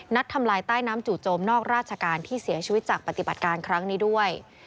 ทำลายใต้น้ำจู่โจมนอกราชการที่เสียชีวิตจากปฏิบัติการครั้งนี้ด้วย